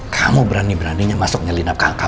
kamu berani beraninya masuk nyelinap kamar anak saya